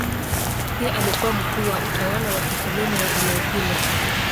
Pia alikuwa mkuu wa utawala wa kikoloni wa eneo hilo.